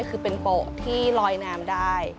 คือเป็นโปะที่ลอยน้ำได้